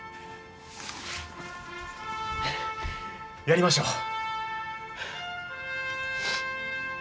やりましょう。